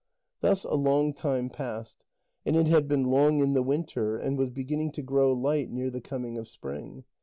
Thus a long time passed, and it had been dark in the winter, and was beginning to grow light near the coming of spring.